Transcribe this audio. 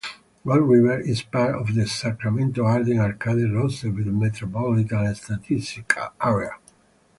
Gold River is part of the Sacramento-Arden-Arcade-Roseville Metropolitan Statistical Area.